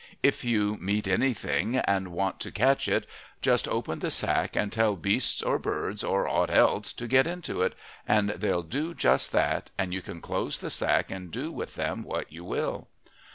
If you meet anything and want to catch it, just open the sack and tell beasts or birds or aught else to get into it, and they'll do just that, and you can close the sack and do with them what you will."